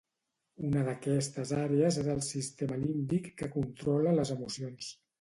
Una de aquestes àrees és el sistema límbic que controla les emocions